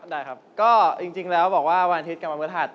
ได้ครับก็จริงแล้วบอกว่าวันอาทิตย์กำลังเวลาอาหาร